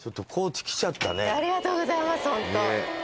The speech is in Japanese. ありがとうございますホント。